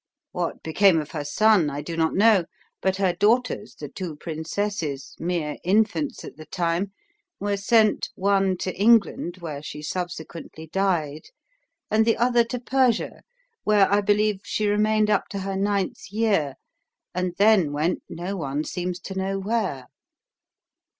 What became of her son I do not know; but her daughters, the two princesses, mere infants at the time, were sent, one to England, where she subsequently died, and the other to Persia, where, I believe, she remained up to her ninth year, and then went no one seems to know where."